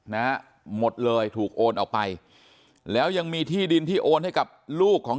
นะหมดเลยถูกโอนออกไปแล้วยังมีที่ดินที่โอนให้กับลูกของ